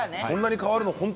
「そんなに変わるの？